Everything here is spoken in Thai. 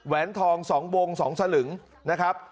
แวนทอง๒วง๒สลึงนะครับ